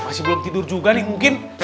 masih belum tidur juga nih mungkin